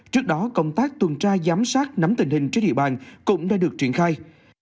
trước đó công tác tuần tra giám sát nắm tình hình trên địa bàn cũng đã được triển khai